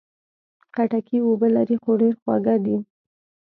خټکی اوبه لري، خو ډېر خوږه ده.